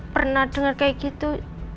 pernah dengar kayak gitu